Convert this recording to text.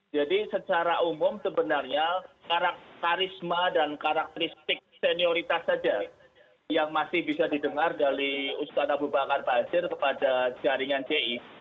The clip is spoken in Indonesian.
jadi secara umum sebenarnya karisma dan karakteristik senioritas saja yang masih bisa didengar dari ustaz abu bakar basir kepada jaringan ce